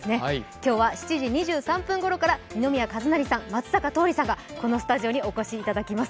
今日は７時２３分ごろから、二宮和也さん、松坂桃李さんにスタジオにお越しいただきます。